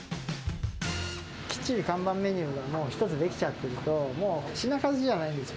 きっちり看板メニューが一つ出来ちゃってると、もう品数じゃないんですよ。